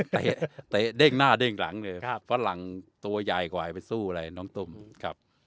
แต่แต่เด้งหน้าเด้งหลังเลยครับเพราะหลังตัวใหญ่กว่าไปสู้อะไรน้องตุ้มครับ